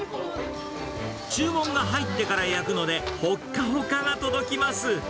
注文が入ってから焼くので、ほっかほかが届きます。